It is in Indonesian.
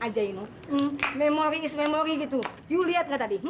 saya benar benar tidak mengerti ada laki laki seperti itu seperti tidak pernah ada kenangan saja